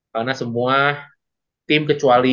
karena semua tim kecuali